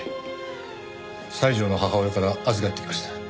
西條の母親から預かってきました。